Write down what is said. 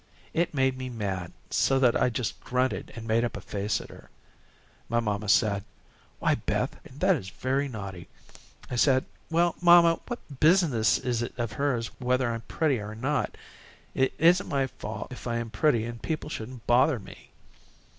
It made me mad, so that I just grunted and made up a face at her. My mamma said, 'Why, Beth, that is very naughty.' I said, 'Well, mamma, what business is it of hers whether I am pretty or not? It isn't my fault if I am pretty and people shouldn't bother me.'"